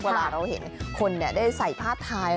เวลาเราเห็นคนได้ใส่ผ้าไทย